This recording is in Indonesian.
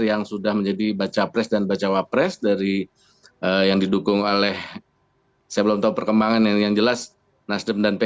yang sudah menjadi baca pres dan baca wapres dari yang didukung oleh saya belum tahu perkembangan ini yang jelas nasdem dan pkb ya